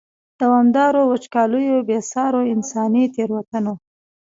دوامدارو وچکالیو، بې سارو انساني تېروتنو.